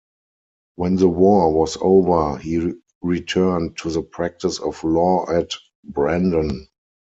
When the war was over, he returned to the practice of law at Brandon.